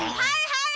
はい！